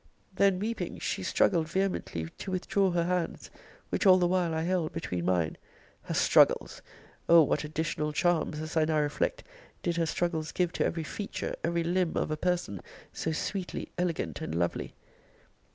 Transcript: Then weeping, she struggled vehemently to withdraw her hands, which all the while I held between mine. Her struggles! O what additional charms, as I now reflect, did her struggles give to every feature, every limb, of a person so sweetly elegant and lovely!